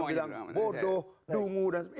bilang bodoh dungu dan sebagainya